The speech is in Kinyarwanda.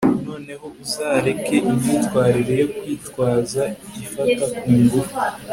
noneho uzareka imyitwarire yo kwitwaza ifata kungufu